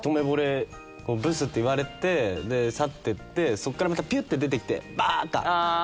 「ブス」って言われて去ってってそこからまたぴゅって出てきて「バーカ！」